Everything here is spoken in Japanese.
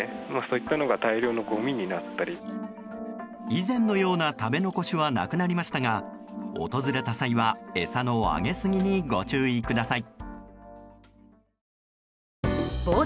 以前のような食べ残しはなくなりましたが訪れた際は餌のあげ過ぎにご注意ください。